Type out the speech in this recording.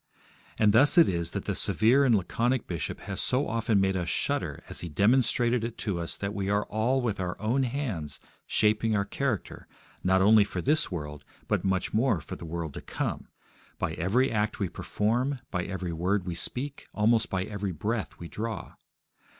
And thus it is that the severe and laconic bishop has so often made us shudder as he demonstrated it to us that we are all with our own hands shaping our character not only for this world, but much more for the world to come, by every act we perform, by every word we speak, almost by every breath we draw.